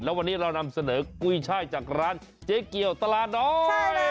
แล้ววันนี้เรานำเสนอกุ้ยช่ายจากร้านเจ๊เกียวตลาดน้อย